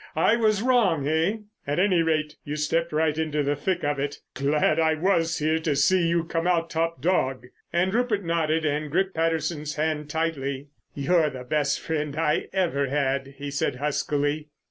I was wrong, eh? At any rate you stepped right into the thick of it. Glad I was here to see you come out top dog." And Rupert nodded and gripped Patterson's hand tightly. "You're the best friend I ever had," he said huskily.